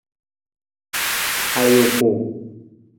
Ajuku.